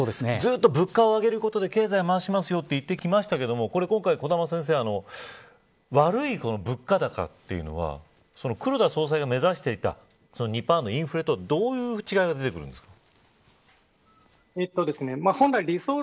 物価を上げることで経済回しますといってきましたが今回、小玉先生、悪い方の物価高というのは黒田総裁が目指していた２％のインフレとどういう違いが出てくるんですか。